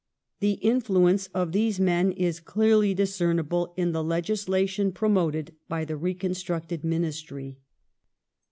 The influence of these men is clearly discernible in the legislation pro moted by the reconstructed Ministry.